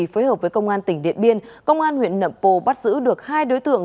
phối hợp với công an tỉnh điện biên công an huyện nậm pồ bắt giữ được hai đối tượng